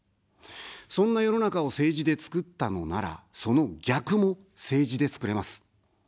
そんな世の中を政治で作ったのなら、その逆も政治で作れます。